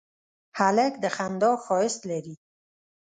هلک د خندا ښایست لري.